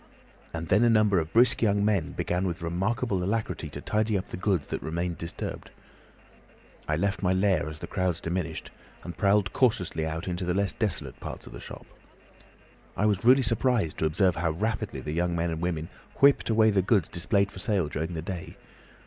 And then a number of brisk young men began with remarkable alacrity to tidy up the goods that remained disturbed. I left my lair as the crowds diminished, and prowled cautiously out into the less desolate parts of the shop. I was really surprised to observe how rapidly the young men and women whipped away the goods displayed for sale during the day.